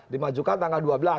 dimajukan tanggal dua belas